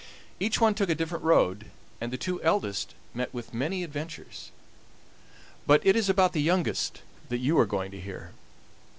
Each one took a different road, and the two eldest met with many adventures; but it is about the youngest that you are going to hear.